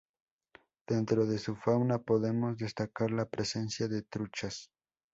Dentro de su fauna, podemos destacar la presencia de truchas.